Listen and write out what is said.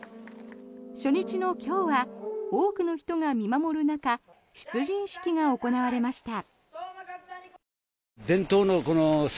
初日の今日は多くの人が見守る中出陣式が行われました。